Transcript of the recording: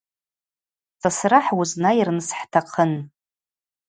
Сасра хӏуызнайырныс хӏтахъын.